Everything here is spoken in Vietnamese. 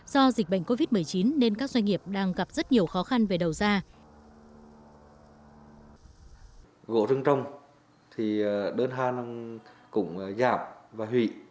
do dịch bệnh covid một mươi chín nên các doanh nghiệp đang gặp rất nhiều khó khăn về đầu ra